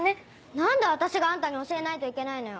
何で私があんたに教えないといけないのよ。